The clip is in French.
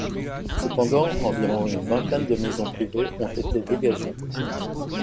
Cependant, environ une vingtaine de maisons privées ont été dégagées.